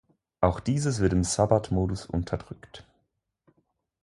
Auch dieses wird im Sabbatmodus unterdrückt.